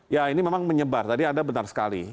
ya ini memang menyebar tadi anda benar sekali